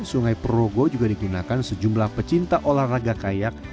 sungai perogo juga digunakan sejumlah pecinta olahraga kayak